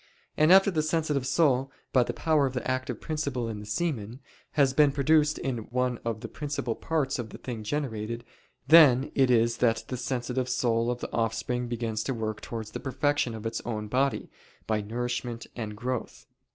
And after the sensitive soul, by the power of the active principle in the semen, has been produced in one of the principal parts of the thing generated, then it is that the sensitive soul of the offspring begins to work towards the perfection of its own body, by nourishment and growth.